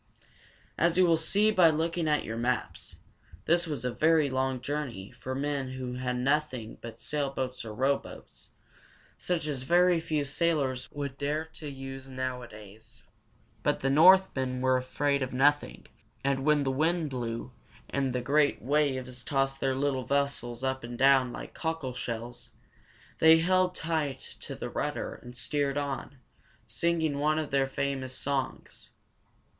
As you will see by looking at your maps, this was a very long journey for men who had nothing but sailboats or rowboats, such as very few sailors would dare to use nowadays. But the Northmen were afraid of nothing, and when the wind blew, and the great waves tossed their little vessels up and down like cockleshells, they held tight to the rudder and steered on, singing one of their famous songs.